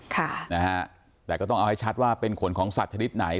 ค่ะนะฮะแต่ก็ต้องเอาให้ชัดว่าเป็นขนของสัตว์ชนิดไหน